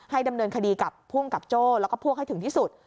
ดำเนินคดีกับภูมิกับโจ้แล้วก็พวกให้ถึงที่สุด